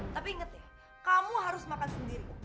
tapi inget nih kamu harus makan sendiri